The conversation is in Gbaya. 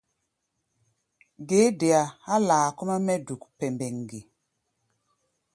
Ge é dea há̧ laa kɔ́-mɛ́ mɛ́ duk pɛmbɛŋ ge?